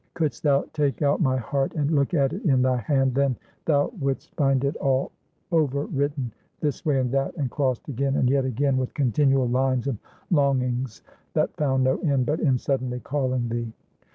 could'st thou take out my heart, and look at it in thy hand, then thou would'st find it all over written, this way and that, and crossed again, and yet again, with continual lines of longings, that found no end but in suddenly calling thee.